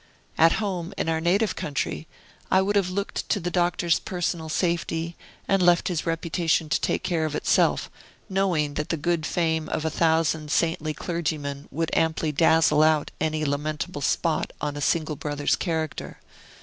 At home, in our native country, I would have looked to the Doctor's personal safety and left his reputation to take care of itself, knowing that the good fame of a thousand saintly clergymen would amply dazzle out any lamentable spot on a single brother's character.